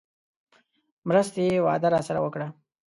مرستې وعده راسره وکړه.